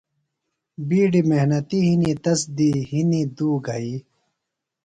بِیڈیۡ محنِتی ِہنیۡ، تس دی ہنیۡ ُدو گھئی